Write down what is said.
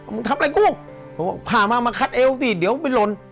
มึงทำอะไรกูผ่ามามาคัดเอวสิเดี๋ยวไปหล่น